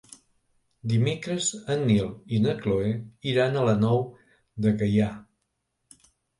Dimecres en Nil i na Cloè iran a la Nou de Gaià.